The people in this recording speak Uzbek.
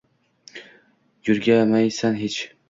Yurmagaysan hech.